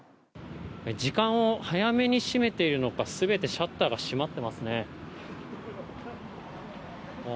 時間を早めに閉めているのか全てシャッターが閉まっていますね。